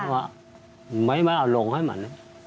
ไหมเอาลงให้มัน